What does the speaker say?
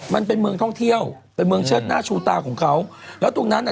มันเป็นเมืองท่องเที่ยวเป็นเมืองเชิดหน้าชูตาของเขาแล้วตรงนั้นอ่ะ